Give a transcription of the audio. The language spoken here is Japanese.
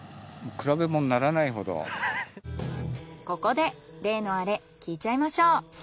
ここで例のアレ聞いちゃいましょう。